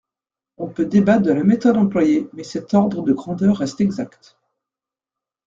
On peut débattre de la méthode employée, mais cet ordre de grandeur reste exact.